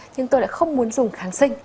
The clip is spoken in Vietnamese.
nhưng tôi lại không muốn dùng kháng sinh